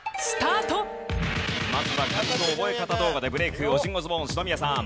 まずは漢字の覚え方動画でブレイクオジンオズボーン篠宮さん。